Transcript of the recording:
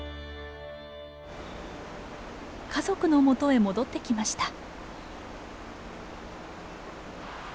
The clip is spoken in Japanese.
家族のもとへ戻ってきました。